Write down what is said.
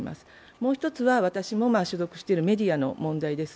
もう一つは、私も所属しているメディアの問題です。